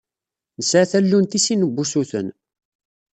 Nesɛa tallunt i sin n wusuten.